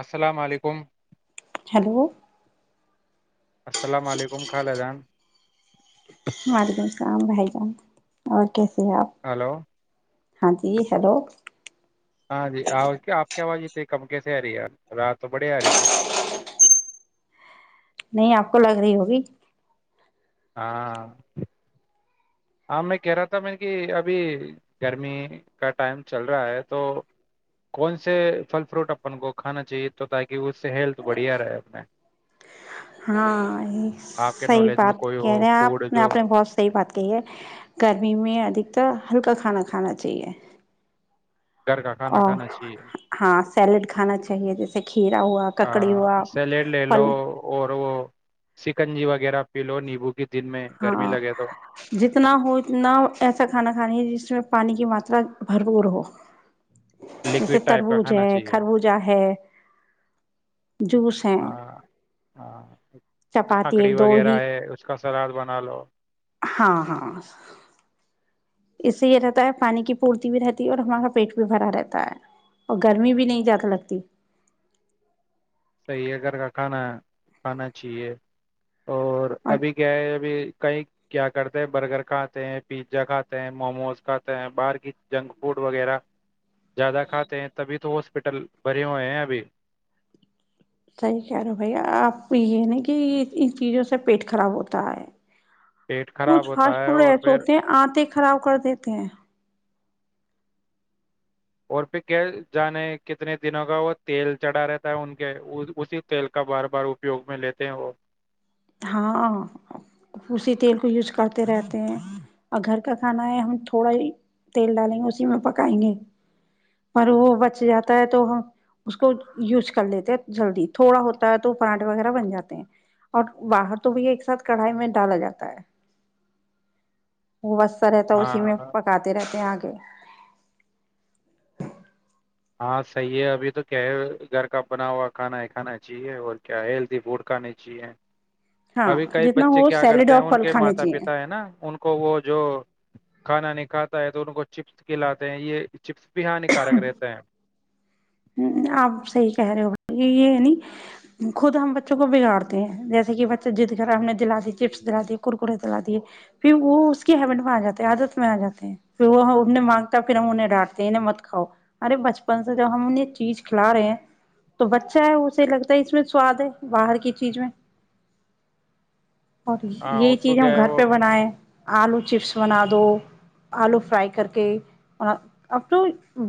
السلام علیکم ہیلو اسلام علیکم خا لا جان وعلیکم اسلام بھائی جان اور کیسے ہے ہلو ہاں جی ہیلو ہاں جی آواز کیا آپ کی آواز تھ کم کیسے آ رہی یار رات تو بڑے آ رہی تھی نہیں آپ کو لگ رہی ہوگی ہاں ہاں میں کہہ رہا تھا میں کہ ابھی گرمی کا ٹائم چل رہا ہے تو کون سے پھل فروٹ اپن کو کھانا چاہیے تو تاکہ اس سے ہیلتھ بڑھیا رہے اپنے ہاں یہ آپ کے صحیح نالج میں بات کوئی کہہ ہو رہے ہیں آپ فوڈ نے جو آپ نے بہت صحیح بات کہی ہے گرمی میں ادھکتر ہلکا کھانا کھانا چاہیے گھر کا کھانا اور کھانا چاہیے ہاں سیلیڈ کھانا چاہیے جیسے کھیرا ہوا ککڑی ہوا سیلیڈ لے لو پھل اور وہ سکنجی وغیرہ پی لو نیبو کی دن میں ہاں گرمی لگے تو جتنا ہو اتنا ایسا کھانا کھا ہے جس میں پانی کی بات ما ترا بھرپور ہو جیسے لکوڈ ٹائپ کا تربوز کھانا ہے چاہیے خربوزہ ہے جوس ہے چپاتی کھکڑی ایک دو وغیرہ ہی ہے اس کا سلاد بن مان لو ہاں ہاں اس سے یہ رہتا ہے پانی کی پورتی بھی رہتی ہے اور ہمارا پیٹ بھی بھرا رہتا ہے اور گرمی بھی نہیں زیادہ لگتی صحیح ہے گھر کا کھانا کھانا چاہیے اور ابھی کیا ہے ابھی کئی کیا کرتے ہیں برگر کھاتے ہیں پیزا کھاتے ہیں موموز کھاتے ہیں باہر کی جنک فوڈ وغیرہ زیادہ کھاتے ہیں تبھی تو ہاسپٹل بھرے ہوئے ہیں ابھی صحیح کہہ رہے بھائی آپ یہ نہیں کہ ان چیزوں سے پیٹ خراب ہوتا ہے پیٹ خراب کچھ ہوتا فاسٹ ہے فوڈ اور ایسے پھر ہوتے ہیں آنتے خراب کر دیتے ہیں اور پھر کیا جانے کتنے دنوں کا وہ تیل چڑھا رہتا ہے ان کے اسی تیل کا بار بار اپیوگ میں لیتے ہیں وہ ہاں اسی تیل کو یوز کرتے رہتے ہیں اور گھر کا کھانا ہے ہم تھوڑا ہی تیل ڈالیں گے اسی میں پکائیں گے پر وہ بچ جاتا ہے تو ہم اس کو یوز کر لیتے ہیں جلدی تھوڑا ہوتا ہے تو پراٹھے وغیرہ بن جاتے ہیں اور باہر تو بھی ایک ساتھ کڑھائی میں ڈالا جاتا ہے وہ وسر رہتا ہے اسی میں ہاں پکاتے رہتے ہیں آگ تو [inaudible] ہاں صحیح ہے ابھی تو کیا ہے گھر کا بنا ہوا کھانا ہے کھانا چاہیے اور کیا ہے ہیلدی فوڈ کھانا چاہیے ہاں ابھی کئی جتنا بچے ہو کیا سیلیڈ کرتے ہیں اور ان پھل کے کھانے ماتا پتا ہے نا ان کو وہ جو کھانا نہیں کاتا ہے تو ان کو چپس کھلاتے ہیں یہ چپس ب بھیہانی کارا کرتے ہ آپ صحی کہہ رہے ہو بائی یہ ہے ن خود ہم بچوں کو بگاڑتے ہیں جیسے کہ بچہ جد کر ہم نے دلا دی چپس دلا دیے کرکرے دلا دیے پھر وہ اس کی ہیبٹ میں آ جاتے آادت میں آ جاتے ہیںھر وہ مانگتا پھر ہم انہ ڈانٹتے مت کاؤ ارے بچپن سے جب ہم ان یہ چیز کھلا رہے ہیں مت کاؤ ارے بچپن سے جب ہم ان یہ چیز کھلا رہے ہیں تو بچہ ہے اسے لگتا ہے اس میں سواد ہے باہر کی چیز تو بچہ ہے اسے ہاں لگتا ہے اس میں سواد ہے باہر کی چیز اور یہی کو چیز ہم کیا گھر وہ پہ بنائے آلو چپس بنا دو آلو فرائی کر کے اپ تو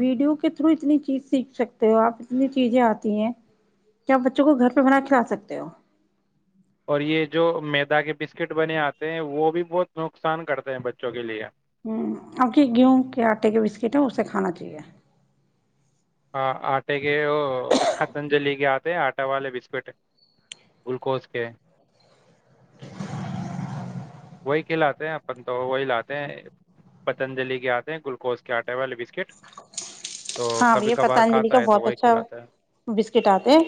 ویڈیو کے تھرو اتنی چیز سیکھ سکتے ہو آپ اتنی چیزیں آتی ہیں کیا آپ بچوں کو گھر پہ بنا کھلا سکتے ہو اور یہ جو میدا کے بسکٹ بنے آتے ہیں وہ بھی بہت نقصان کرتے ہیں بچوں کے لیے ہ ا کی گیہوں کے آٹے کے بسکٹ ہے اسے کھانا چاہیے ہ آٹے کے وہ ختنج لے کے آتے ہیں آٹا والے بسکٹ گلوکوز کے وہی کے لاتے ہیں اپن تو وہی لاتے ہیں پتنجلی کے آتے ہیں گلوکوز کے آٹے والے بسکٹ تو ہاں کبھی بھیا کبھار پتنجلی کھاتا کا ہے تو بہت وہی اچھا کھلاتا ہے بسکٹ آتے ہیں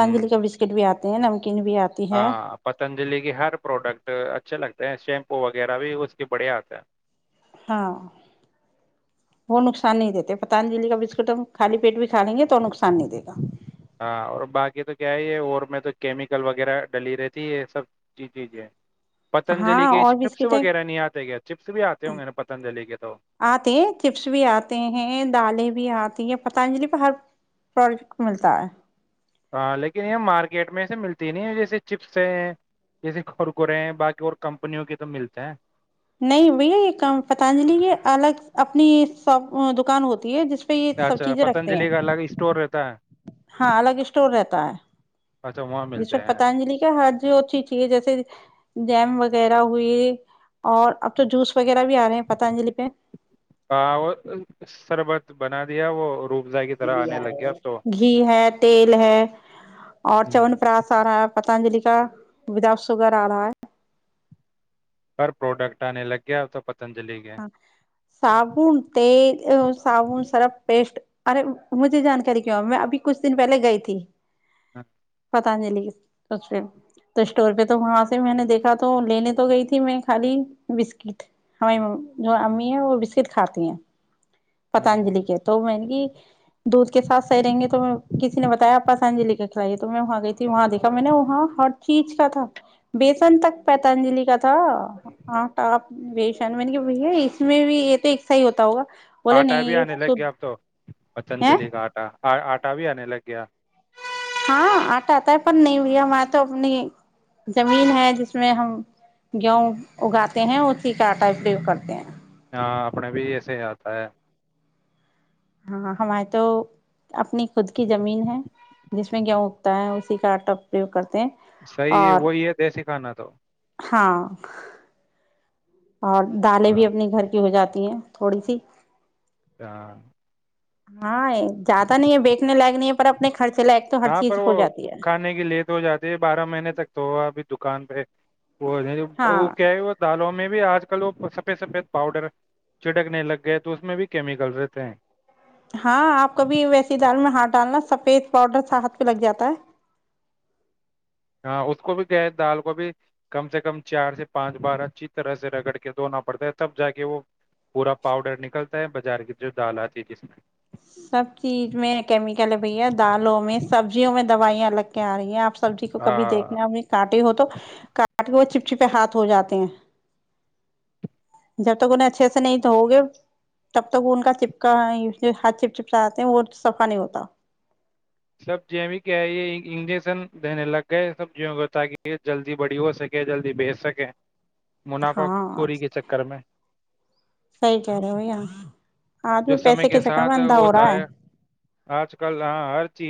ہوں کا بسکٹ بھی آتا ن [inaudible] ہاں پتنجلی کی ہر پروڈکٹ اچھے لگتے شیمپو وغیرہ بھی اس کے بڑھیا آتا ہے ہاں وہ نقصان نہیں دیتے پتنجلی کا بسکٹ خالی پیٹ بھی کھا لیں گے تو نقصان نہیں دے گا ہاں اور باقی تو کیا ہے یہ اور میں تو کیمیکل وغیرہ ڈلی رہتی یہ سب چیز چیزیں ہاں اور بسکٹیں آتے کیا چپس بھی آتے ہوں گے نا پتنجلی کے تو آتے ہیں چپس بھی آتے ہیں دالیں بھی آتی ہیں پتانجلی پ ہر پروجیکٹ کو ملتا ہے ہاں لیکن یہ مارکیٹ میں سےے ملتی ہے نہیں جیسے چپس ہیں جیسے کورکرے ہیں باقی اور کمپنیوں کے تو ملتے ہیں نہیں بھیا یہ پتنجلی یہ الگ اپنی شاپ دکان ہوتی ہے جس پہ یہ سب اچھا چیزیں رکھتے ہیں پتنجلی کا الگ اسٹور رہتا ہے ہاں الگ اسٹور رہتا ہے اچھا وہاں جس پ ملتے ہیں پتانجلی کیا ہج جو اھی چاہیے جیسے جیم وغیرہ ہوئی اور اب تو جوس وغیرہ بھی آ رہے ہیں پتانجلی پہ ہاں وہ شربت بنا دیا وہ روبزہ کی طرح آنے لگ گیا اب تو گھی ہے تیل ہے اور ہوں، چن پراس آارا پتنجلی [inaudible] پر پروڈکٹ آ نے لگیا تو پ ہاں صابن تل صابن سرف پیسٹ ارے مجھے جانکاری کیوں میں ابھی کچھ دن پہلے گئی تھی ہاں پتانجلی اس پ تو اسٹور پہ تو وہاں سے میں نے دیکھا تو لینے تو گئی تھی میں خالی بسکٹ ہماری م جو امی ہیں وہ وسر کھاتی ہیں ہاں۔ پتانجلی کے تو میں نے کی دودھ کے ساتھ سہیریں گے تو میں کسی نے بتایاپ پتنجلی کا کھلائیے تو میں وہاں گئی تھی وہاں دیکھا میں نے وہاں ہر چیز کا تھا بیسن تک پتنجلی کا تھا آٹا بیسن میں نے بھ ہے اس میں بھی یہ تو ایکسا ہی ہوتا ہوگا بولے آٹا نہیں بھی یہ آنے لگ گیا اب شھ تو ہے پتنجلی کا آٹا ہٹاویا نے لگ گیا ہاں آٹا آتا ہے پر نہیں ب ہماریے تو اپنی زمین ہے جس میں ہم گیہوں اگاتے ہیں اسی کا آٹاوگ کرتے ہیں اپنے بھی ایسے ہی آتا ہے ہاں ہماری تو اپنی خود کی زمین ہے جس میں گیہوں اگتا ہے اسی کا آٹا اپریوگ کرتا صحیح ہے وہی ہے دیسی کھانا تھا تو ہاں اور دالیں ہاں بھی اپنے گھر کی ہو جاتی ہیں تھوڑی سی ہاں ہاں زیادہ نہیں ہے بییکھنے لائگ نہیں ہے اپنے خرچے لائق تو ہر ہاں پر چیز وہ ہو جاتی ہے کھانے کی لیٹ ہو جاتی ہے بارہ مہینے تک تو ہوا ابھی دکان پہ وہ ہاں وہ کیا ہے وہ دالوں میں بھی آج کل وہ سفید سفید پاؤڈر چڑکنے لگ گئے تو اس میں بھی کیمیکل رہتے ہیں ہاں آپ کبھی ویسی دال میں ہات ڈالنا سفید پاؤڈر ہھ پہ لگ جاتا ہے ہاں اس کو بھی گئے دال کو بھی کم سے کم چار سے پانچ بار اچھی طرح سے رگڑ کے دھونا پڑتا ہے تب جا کے وہ پورا پاؤڈر نکلتا ہے بازار کی جو دال آتی ہے جس میں سب چیز میں کیمیکل بھیا دالوں میں سبزیوں میں دوائیاں الگ کے آ رہی ہیں آپ سبزی کو کبھی ہاں دیکھنا ہم کاٹے ہو توٹ کے وہ پہ ہاتھ ہو جاتے ہیں جب تک انہیں اچھے سے نہیں دھؤ گے تب تک ان کا چپکا ہاتھ چپ چپ چاتے ہیں وہ صفا نہیں ہوتا سبزیو کہ ہے یہ انجیکشن دینے لگ گئے سبزیوں کو تاکہ یہ جلدی بڑی ہو سکے جلدی بیچ سکیں منافع ہاں خوری کے چکر میں صحیح کہہ رہے ہو بھیا جو آدمی سمے پیسے کے چکر میں ساتھ اندھا ہو ہوتا رہا ہے آج کل یہاں ہر چی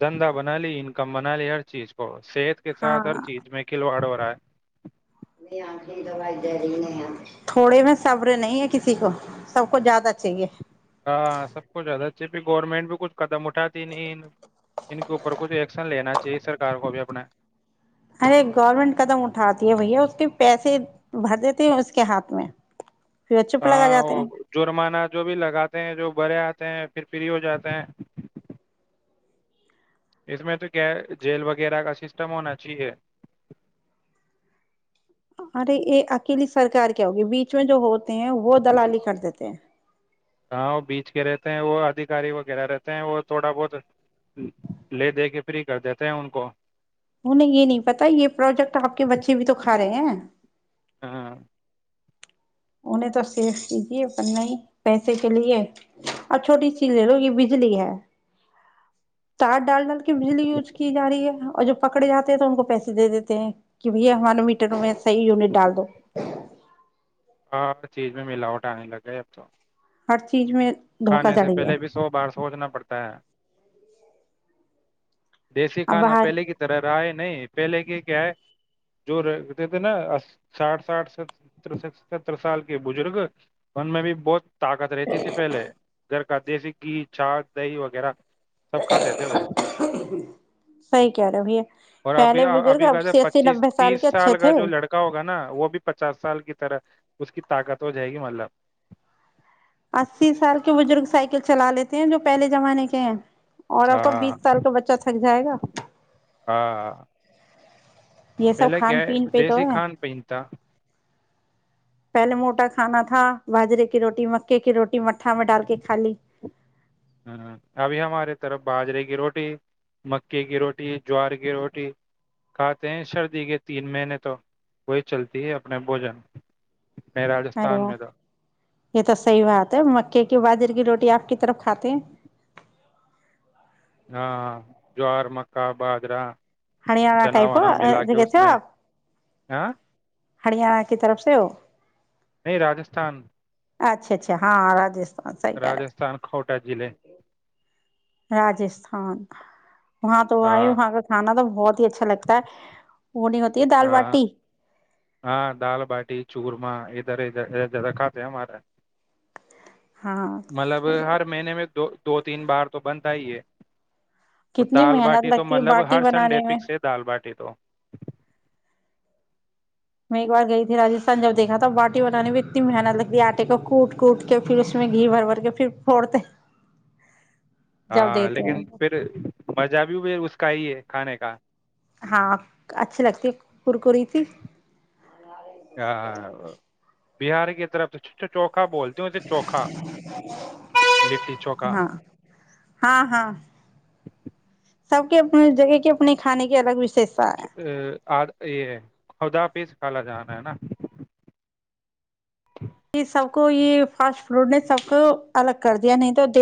دھندا بنا لی انکم بنا لی ہر چیز کو صحت کے ساتھ ہر ہاں چیز میں کھلواڑ ہو رہا ہے ی تھوڑے میں صبر نہیں ہے کسی کو سب کو زیادہ چاہیے ہاں سب کچھ زیادہ [unintelligible] جہ گورنمنٹ بھی کچھ قدم اٹھاتی نہیں ان کے اوپر کچھ ایکشن لینا چاہیے سرکار کو بھی اپنا ارے گورنمنٹ قدم اٹھاتی ہے بھیا اس کے پیسے بھر دیتے اس کے ہاتھ میں پھر وہ چپ لگا ہاں جاتے ہیں جرمانہ جو بھی لگاتے ہیں جو بھرے آتے ہیں پھر فری ہو جاتے ہیں اس میں تو کیا جیل وغیرہ کا سسٹم ہونا چاہیے ارے یہ اکیلی سرکار کیا ہوگی بیچ میں جو ہوتے ہیں وہ دلالی کر دیتے ہیں ہاں وہ بیچ کے رہتے ہیں وہ ادھیکاری وغیرہ رہتے ہیں وہ تھوڑا بہت لے دے کے فری کر دیتے ہیں ان کو انیں یہ نہیں پتا یہ پروجیکٹ آپ کے بچے بھی تو کھا رہے ہیں ہاں انہیں تو سیف کیجیے پر نہیں پیسے کے لیے اور چھوٹی چیز لے لو یہ بجلی ہے تار ڈال ڈال کے بجلی یوز کی جا رہی ہے اور جو پکڑے جاتے ہیں تو ان کو پیسے دے دیتے ہیں کہ بھیا ہمارے میٹروں میں صحی یونٹ ڈال دو ہاں ہر چیز میں ملاوٹ آنے لگے ہے اب تو ہر چیز میں دھوکا کھانے سے دھڑی ہے پہلے بھی سو بار سوچنا پڑتا ہے دیسی اب کھانا باہر پہلے کی طرح رہا ہے نہیں پہلے کے کیا ہے جو رتے تھے نا ساٹھ ساٹر ستر سال کے بزرگ ان میں بھی بہت طاقت رہتی تھی پہلے گھر کا دیسی گھی چا دہی وغیرہ سب کھاتات تھے وہ صحیح کہہ رہے بھیا اور ابھی پہلے بزرگ ابھی کہتے اسی اسی پچیس نبے کے تیس اچھے سال کا تھے جو لڑکا ہوگا نا وہ بھی پچاس سال کی طرح اس کی طاقت ہو جائے گی مطلب اسی سال کے بزرگ سائیکل چلا لیتے ہیں جو پہلے زمانے کے ہیں اور آپ کا ہاں بیس سال کا بچہ تھک جائے گا ہاں یہ سب پہلے کیا کھان ہے پین پہ تو دیسی ہے کھان پہن تھا پہلے موٹا کھانا تھا باجرے کی روٹی مکے کی روٹی میں تھام ڈال کے کھا لی ہاں، ابھی ہماراری طرف باجرے کی روٹی مکے کی روٹی جوار کی روٹی کھاتے ہیں سردی کے تین مہینے تو وہی چلتی ہے اپنے بوجن میں ارے راجستھان واہ، میں تھا یہ تو صحی بات ہے مکے کی باز کی روٹی آپ کی طرف کھاتے ہیں ہاں ہاں جوار مکا بجرہ ہریانہ ٹائپ گ تھ ہو آپ ہاں ہرییاانہ کی طرف سے ہو نہیں راجستھان اچھا اچھا ہاں راستھان راجستھان خھوٹہ ضلع راجستھان وہاں تو وہائی ہاں وہاں کاھانا تو بہت اچھا لگتا ہے وہ نہیں ہوتی ہے دال ہاں باٹی ہاں دال باٹی چورما ا دھر ج کاتات ہیں ہمار ہاں مطلب ہر مہینے میں دو دو تین بار تو بند تھا ہی یہ اور کتنی دال باٹی محنت تو لگتی ہے مطلب باٹی ہر سنڈے بنانے میں پک سے دال باٹی تو میں ایک بار گئی تھی راستھان جب دیکھا تھا باٹی بنانے میں اتنی محنت لگتی آٹے کو کوٹ کوٹ کے پھر اس میں گھی بھر بھر کے پھر پھوڑتے جب ہاں دیتے لیکن ہیں پھر مزہ بھی ہو بھی اس کا ہی ہے کھانے کا ہاں اچھی لگتی ہےکری تھی ار ہاں، [unintelligible] بہار کی طرف سے چوٹا چوک چوکھا بولتی ہوںے چوکھا لٹی چوکھا ہاں ہاں ہاں سب کے اپنے جگہ کے اپنے کھانے کے الگ وشیشتا ہے ا آ یہ خدا پیس کالا جانا ہے نا یہ سب کو یہ فاسٹ فوڈ نے سب کو الگ کر دیا نہیں تو دیکھ